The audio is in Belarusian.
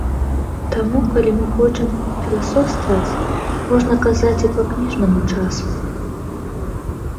Таму, калі мы хочам філасофстваваць, можна казаць і па-кніжнаму час.